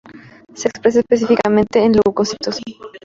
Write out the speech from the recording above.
Se expresa específicamente en leucocitos.